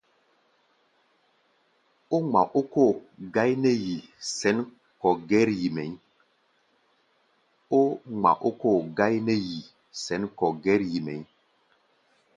Ó ŋma ókóo gáí nɛ́ yi sɛ̌n kɔ̧ gɛ́r-yi mɛʼí̧.